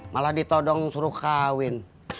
malah ditodong suruh kawin